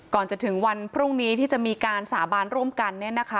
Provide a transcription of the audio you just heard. ก่อนจะถึงวันพรุ่งนี้ที่จะมีการสาบานร่วมกัน